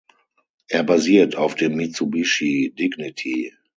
Er basiert auf dem Mitsubishi Dignity.